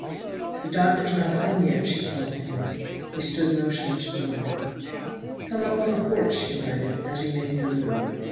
"The Doctor's not home yet," she called to him. He stood motionless below her. "Come up on the porch," she invited, as he made no move.